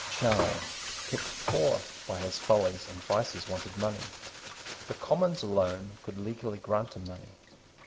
Charles, kept poor by his follies and vices, wanted money. The Commons alone could legally grant him money.